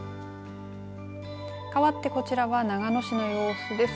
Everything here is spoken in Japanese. かわってこちらは長野市の様子です。